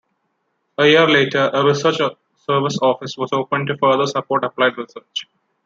A year later, a Research Services Office was opened to further support applied research.